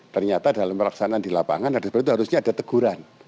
ternyata dalam pelaksanaan di lapangan ada seperti itu harusnya ada teguran